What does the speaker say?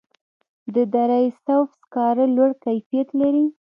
د دره صوف سکاره لوړ کیفیت لري